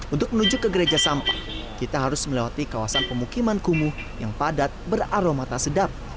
untuk menuju ke gereja sampah kita harus melewati kawasan pemukiman kumuh yang padat beraroma tak sedap